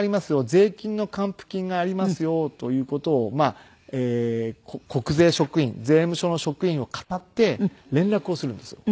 税金の還付金がありますよという事を国税職員税務署の職員をかたって連絡をするんですよ。